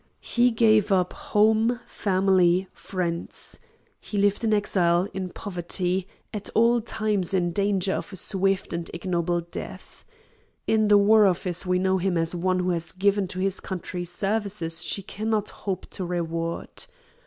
He gave up home, family, friends. He lived in exile, in poverty, at all times in danger of a swift and ignoble death. In the War Office we know him as one who has given to his country services she cannot hope to reward.